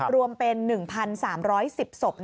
รวมเป็น๑๓๑๐ศพ